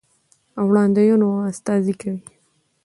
او وړاندوينو استازي کوي،